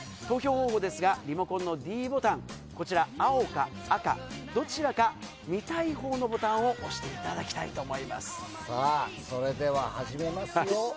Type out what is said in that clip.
投票方法ですが、リモコンのｄボタン、こちら青か赤、どちらか見たいほうのボタンを押していただきたいさあ、それでは始めますよ。